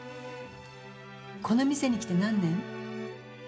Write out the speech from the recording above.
この店に来て何年？